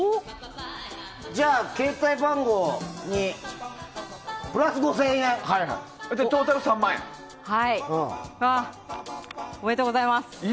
じゃあ、携帯番号にプラス５０００円！おめでとうございます。